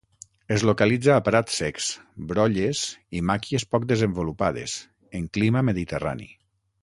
Es localitza a prats secs, brolles i màquies poc desenvolupades, en clima mediterrani.